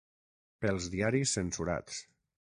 Pels diaris censurats